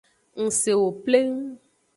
Ngsewo pleng.